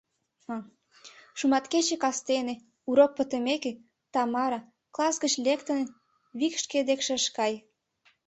Шуматкече кастене, урок пытымеке, Тамара, класс гыч лектын, вик шке декше ыш кай.